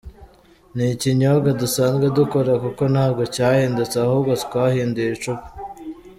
Ni ikinyobwa dusanzwe dukora kuko ntabwo cyahindutse ahubwo twahinduye icupa.